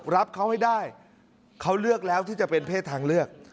รับเขาให้ได้เขาเลือกแล้วที่จะเป็นเพศทางเลือก